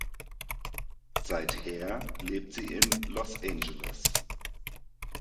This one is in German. Seither lebt sie in Los Angeles.